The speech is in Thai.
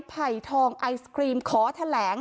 ไภทองไอสกรีมขอแถลง